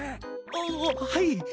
あっはい。